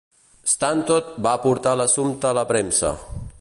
Stanton va portar l'assumpte a la premsa.